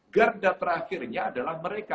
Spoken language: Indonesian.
garda terakhirnya adalah mereka